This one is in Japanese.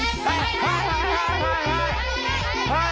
はい！